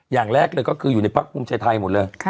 อย่างแรกเลยก็คืออยู่ในพักภูมิใจไทยหมดเลย